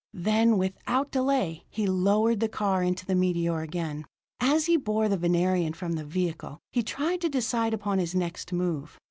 Then, without delay, he lowered the car into the meteor again. As he bore the Venerian from the vehicle, he tried to decide upon his next move.